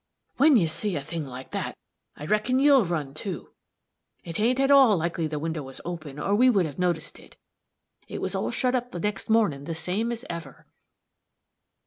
"When you see a thing like that, I reckon you'll run, too. It ain't at all likely the window was open, or we would have noticed it. It was all shut up the next mornin', the same as ever."